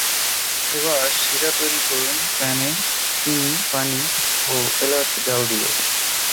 এবার সিরা তৈরি করুন প্যানে চিনি, পানি ও এলাচ জ্বাল দিয়ে।